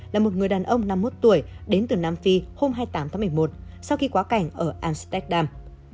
là một người đàn ông năm mươi một tuổi đến từ nam phi hôm hai mươi tám tháng một mươi một sau khi quá cảnh ở amsterdam